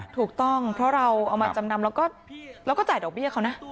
ถูกต้องเพราะเราเอามาจำนำแล้วก็จ่ายดอกเบี้ยเขานะ